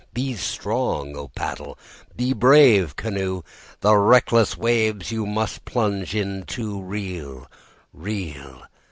Be strong, O paddle! be brave, canoe! The reckless waves you must plunge into. Reel, reel.